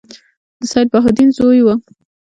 د سیدبهاءالدین زوی وو.